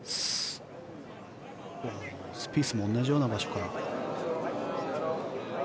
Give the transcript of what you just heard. スピースも同じような場所から。